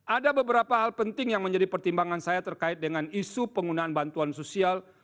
ada beberapa hal penting yang menjadi pertimbangan saya terkait dengan isu penggunaan bantuan sosial